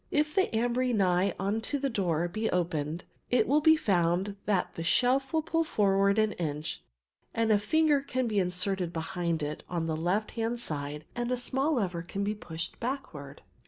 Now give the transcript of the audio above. If the ambry nigh unto the door be opened it will be found that the shelf will pull forward an inch and a finger can be inserted behind it on the left hand side, and a small lever can be pushed backward.